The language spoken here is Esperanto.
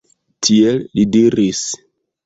Tiel li diris.